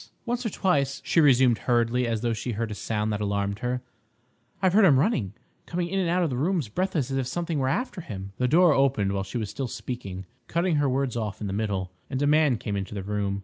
"Once or twice," she resumed hurriedly, as though she heard a sound that alarmed her, "I've heard him running—coming in and out of the rooms breathless as if something were after him—" The door opened while she was still speaking, cutting her words off in the middle, and a man came into the room.